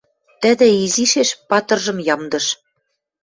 Тӹдӹ изишеш патыржым ямдыш.